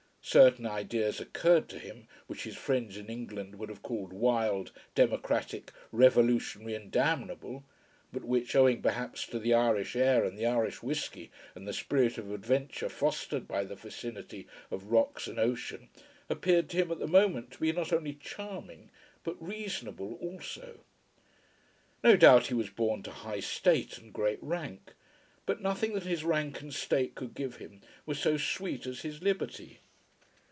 Certain ideas occurred to him which his friends in England would have called wild, democratic, revolutionary and damnable, but which, owing perhaps to the Irish air and the Irish whiskey and the spirit of adventure fostered by the vicinity of rocks and ocean, appeared to him at the moment to be not only charming but reasonable also. No doubt he was born to high state and great rank, but nothing that his rank and state could give him was so sweet as his liberty.